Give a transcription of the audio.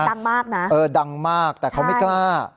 ดังมากนะเออดังมากแต่เขาไม่กล้า